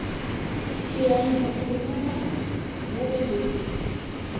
— Чияжым кушто муына? — йодо Юрик.